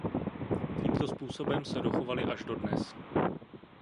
Tímto způsobem se dochovaly až dodnes.